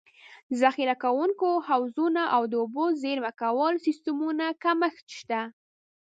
ذخیره کوونکو حوضونو او د اوبو د زېرمه کولو سیستمونو کمښت شته.